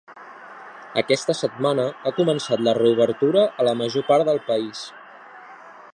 Aquesta setmana ha començat la reobertura a la major part del país.